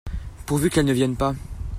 Pourvu qu'elles ne viennent pas !